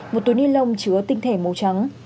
một túi ni lông chứa tinh thể màu trắng